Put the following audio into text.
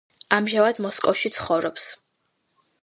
ამჟამად მოსკოვში ცხოვრობს.